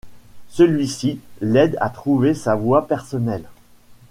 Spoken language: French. Celui-ci l’aide à trouver sa voie personnelle.